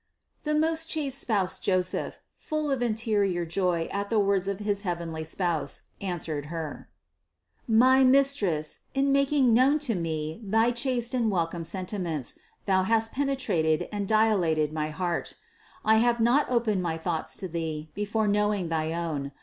763. The most chaste spouse Joseph, full of interior joy at the words of his heavenly Spouse, answered Her: THE CONCEPTION 581 "My Mistress, in making known to me thy chaste and welcome sentiments, thou hast penetrated and dilated my heart. I have not opened my thoughts to Thee be fore knowing thy own.